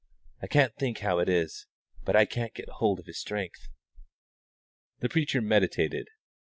"I can't think how it is, but I can't get hold of His strength." The preacher meditated.